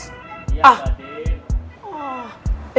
iya pak tim